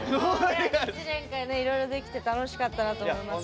１年間、いろいろできて楽しかったと思います。